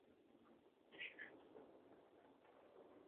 گھومنے پھرنے کا ارادہ ہے تو ہماری خوب آؤ بھگت شروع ہو گئی